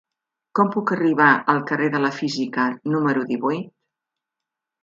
Com puc arribar al carrer de la Física número divuit?